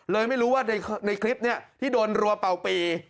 เลยไม่รู้ว่าในคลิปนี้ที่โดนรัวเป่าปี